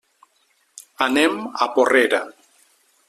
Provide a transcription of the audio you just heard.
Anem a Porrera.